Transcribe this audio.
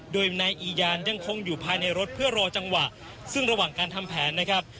โดยนายอียานยังคงอยู่ภายในรถเพื่อรอจังหวะซึ่งระหว่างการทำแผนนะครับ